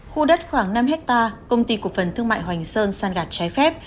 khu đất khoảng năm hectare công ty của phần thương mại hoành sơn sàn gạt trái phép